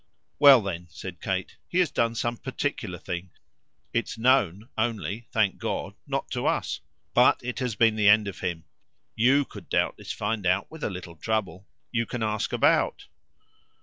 "Well then," said Kate, "he has done some particular thing. It's known only, thank God, not to us. But it has been the end of him. YOU could doubtless find out with a little trouble. You can ask about."